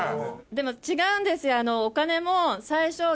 でも違うんですよお金も。